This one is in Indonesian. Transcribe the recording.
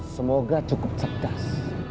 semoga cukup cerdas